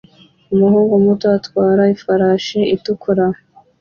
Umuhungu muto atwara ifarashi itukura